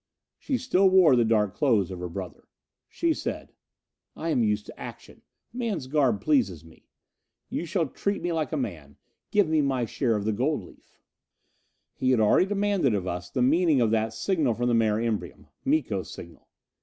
She still wore the dark clothes of her brother. She said, "I am used to action man's garb pleases me. You shall treat me like a man, give me my share of the gold leaf." He had already demanded of us the meaning of that signal from the Mare Imbrium. Miko's signal!